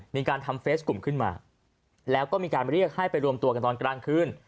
มีการทำเฟสกลุ่มขึ้นมาแล้วก็มีการเรียกให้ไปรวมตัวกันตอนกลางคืน